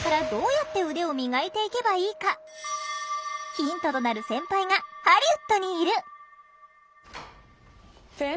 ヒントとなる先輩がハリウッドにいる！